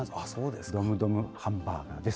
ドムドムハンバーガーです。